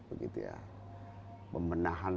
begitu ya pemenahan